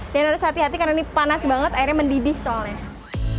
dan harus hati hati karena ini panas banget airnya mendidih soalnya